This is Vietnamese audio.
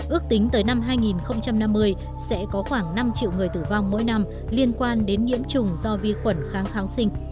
ước tính tới năm hai nghìn năm mươi sẽ có khoảng năm triệu người tử vong mỗi năm liên quan đến nhiễm trùng do vi khuẩn kháng kháng sinh